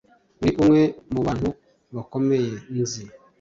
uri umwe mubantu bakomeye nzi,